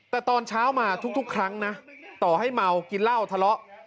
แต่ตอนเช้ามาทุกครั้งนะต่อให้เมากินเหล้าทะเลาะ